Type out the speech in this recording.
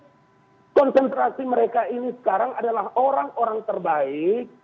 karena konsentrasi mereka ini sekarang adalah orang orang terbaik